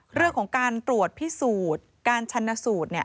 เรื่องของการตรวจพิสูจน์การชันสูตรเนี่ย